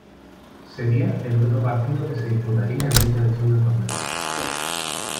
Sería el único partido que disputaría en dicha edición del torneo.